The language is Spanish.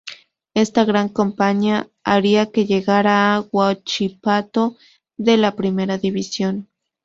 Esta gran campaña haría que llegara a Huachipato de la Primera División.